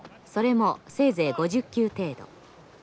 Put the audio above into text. それもせいぜい５０球程度。